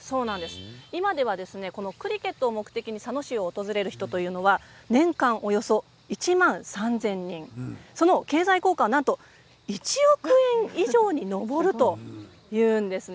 今ではクリケットを目的に佐野市に訪れる人が年間およそ１万３０００人その経済効果はなんと１億円以上に上るということなんです。